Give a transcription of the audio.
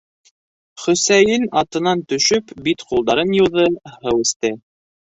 Хөсәйен, атынан төшөп, бит-ҡулдарын йыуҙы, һыу эсте.